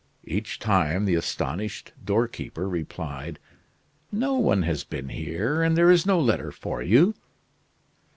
Each time the astonished doorkeeper replied: "No one has been here, and there is no letter for you."